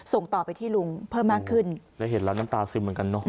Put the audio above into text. ส่งต่อไปที่ลุงเพิ่มมากขึ้นแล้วเห็นแล้วน้ำตาซึมเหมือนกันเนอะ